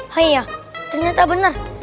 haiya ternyata benar